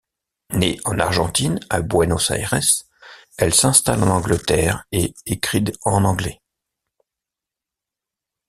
Née en Argentine, à Buenos Aires, elle s'installe en Angleterre, et écrit en anglais.